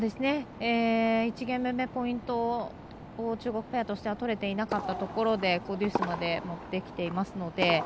１ゲーム目、ポイントを中国ペアとしては取れていなかったところでデュースまで持ってきていますので。